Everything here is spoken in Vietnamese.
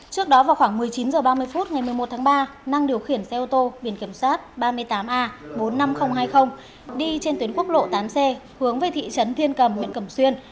trước đó vào khoảng một mươi chín h ba mươi phút ngày một mươi một tháng ba năng điều khiển xe ô tô biển kiểm soát ba mươi tám a bốn mươi năm nghìn hai mươi đi trên tuyến quốc lộ tám c hướng về thị trấn thiên cầm huyện cầm xuyên